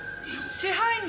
支配人。